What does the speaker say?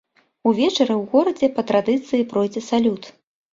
Увечары ў горадзе па традыцыі пройдзе салют.